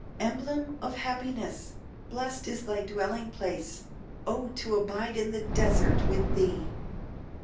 Emblem of happiness, Blest is thy dwelling place Oh, to abide in the desert with thee!